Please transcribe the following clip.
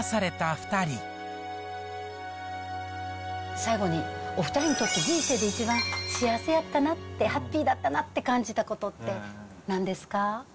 ２最後に、お２人にとって人生で一番幸せやったなって、ハッピーだったなって感じたことってなんですか？